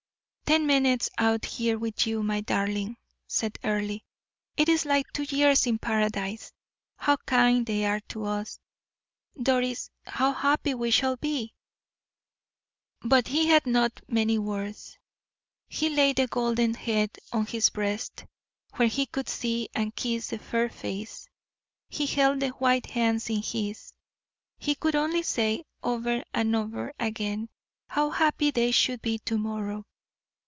"Ten minutes out here with you, my darling," said Earle; "it is like two years in paradise. How kind they are to us, Doris; how happy we shall be!" But he had not many words. He laid the golden head on his breast, where he could see and kiss the fair face; he held the white hands in his; he could only say, over and over again, how happy they should be to morrow.